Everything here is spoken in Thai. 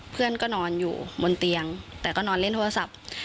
เพื่อนก็นอนอยู่บนเตียงแต่ก็นอนเล่นโทรศัพท์